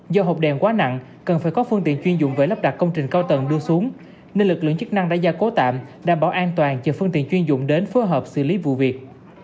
do hộp đèn quá nặng cần phải có phương tiện chuyên dụng về lắp đặt công trình cao tầng đưa xuống nên lực lượng chức năng đã gia cố tạm đảm bảo an toàn chờ phương tiện chuyên dụng đến phối hợp xử lý vụ việc